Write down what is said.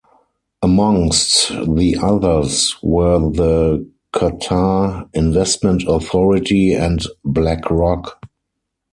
Amongst the others were the Qatar Investment Authority and BlackRock.